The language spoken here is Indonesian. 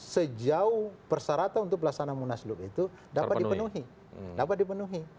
sejauh persyaratan untuk melaksanakan munaslup itu dapat dipenuhi